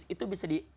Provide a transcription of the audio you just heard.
itu bisa di